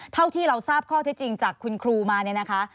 เท่าที่เราทราบข้อเท็จจริงจากคุณครูมาเนี่ยนะคะ